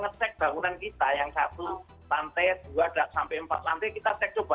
ngecek bangunan kita yang satu lantai dua sampai empat lantai kita cek coba